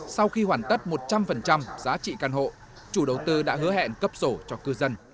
sau khi hoàn tất một trăm linh giá trị căn hộ chủ đầu tư đã hứa hẹn cấp sổ cho cư dân